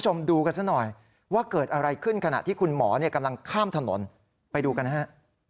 จะเห็นไหมครับว่าคุณหมอมีหาร่วมหาภาพเพิ่มที่มาได้